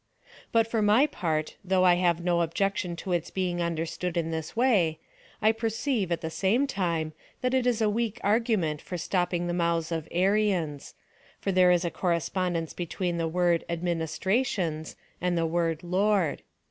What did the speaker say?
But for my part, though I have no objection to its being understood in this way, I perceive, at the same time, that it is a weak argu ment for stopping the mouths of Arians ; for there is a correspondence between the word administrations and the word Lord.